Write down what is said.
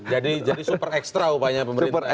jadi super ekstra upaya pemerintah ini